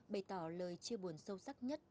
bày tỏ lời chia buồn sâu sắc nhất